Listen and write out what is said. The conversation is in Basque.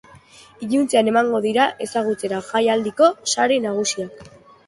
Iluntzean emango dira ezagutzera jaialdiko sari nagusiak.